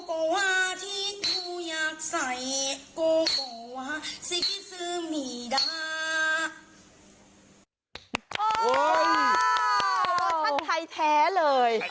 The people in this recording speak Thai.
โอ้วภาษาไทยแท้เลย